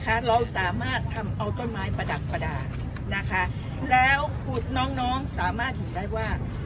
เราสามารถทำเอาต้นไม้ประดับประดาษนะคะแล้วคุณน้องน้องสามารถเห็นได้ว่า